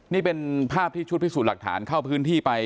นี่เป็นภาพที่ชุดพิสูจน์หลักฐานเข้าพื้นที่ไป